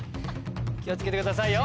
気を付けてくださいよ。